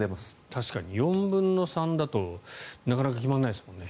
確かに４分の３だとなかなか決まらないですよね。